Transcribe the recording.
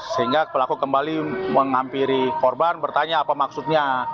sehingga pelaku kembali menghampiri korban bertanya apa maksudnya